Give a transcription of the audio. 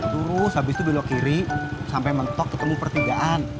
lurus habis itu bilau kiri sampai mentok ketemu pertigaan